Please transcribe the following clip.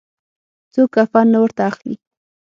څوک کفن نه ورته اخلي.